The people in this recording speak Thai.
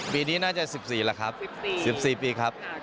ปีนี้น่าจะ๑๔แล้วครับ๑๔ปีครับ